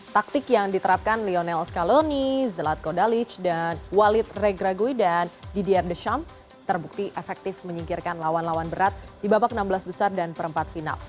taktik yang diterapkan lionel scaloni zellat kodalic dan walid regragoi dan didier desham terbukti efektif menyingkirkan lawan lawan berat di babak enam belas besar dan perempat final